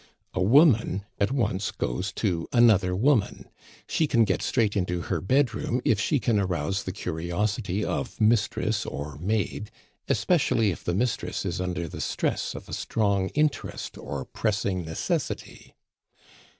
A woman at once goes to another woman; she can get straight into her bedroom if she can arouse the curiosity of mistress or maid, especially if the mistress is under the stress of a strong interest or pressing necessity.